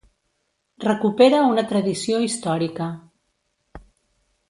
Recupera una tradició històrica.